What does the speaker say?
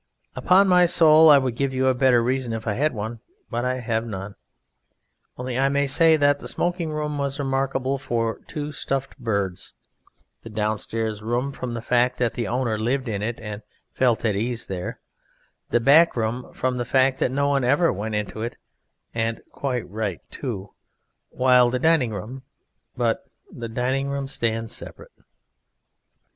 Upon my soul, I would give you a better reason if I had one, but I have none. Only I may say that the Smoking room was remarkable for two stuffed birds, the Downstairs room from the fact that the Owner lived in it and felt at ease there, the Back room from the fact that no one ever went into it (and quite right too), while the Dining room but the Dining room stands separate.